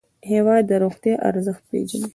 هېواد د روغتیا ارزښت پېژني.